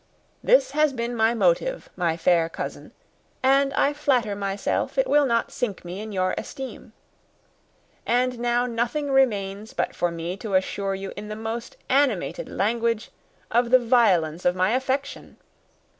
This has been my motive, my fair cousin, and I flatter myself it will not sink me in your esteem. And now nothing remains for me but to assure you in the most animated language of the violence of my affection.